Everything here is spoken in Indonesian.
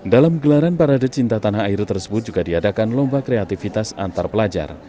dalam gelaran parade cinta tanah air tersebut juga diadakan lomba kreativitas antar pelajar